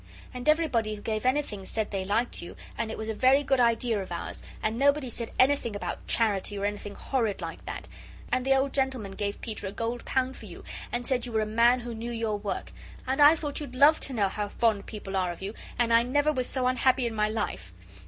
And everybody who gave anything said they liked you, and it was a very good idea of ours; and nobody said anything about charity or anything horrid like that. And the old gentleman gave Peter a gold pound for you, and said you were a man who knew your work. And I thought you'd LOVE to know how fond people are of you, and I never was so unhappy in my life.